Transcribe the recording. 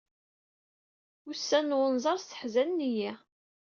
Ussan n unẓar sseḥzanen-iyi.